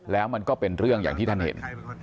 แล้วมันก็เป็นเรื่องอย่างที่ท่านเห็น